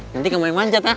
nanti kamu yang manjat ya